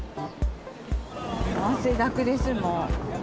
汗だくです、もう。